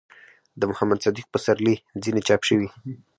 ،د محمد صديق پسرلي ځينې چاپ شوي